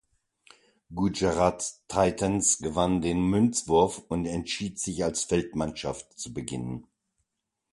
Gujarat Titans gewann den Münzwurf und entschied sich als Feldmannschaft zu beginnen.